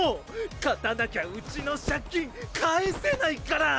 勝たなきゃうちの借金返せないから！